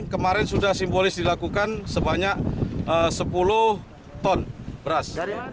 kemarin sudah simbolis dilakukan sebanyak sepuluh ton beras